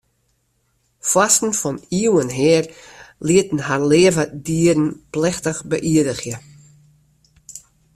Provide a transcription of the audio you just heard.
Foarsten fan iuwen her lieten har leave dieren plechtich beïerdigje.